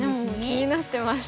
気になってました。